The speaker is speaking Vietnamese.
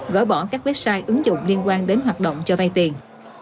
gỡ bỏ các website ứng dụng liên quan đến hoạt động cho vay tiền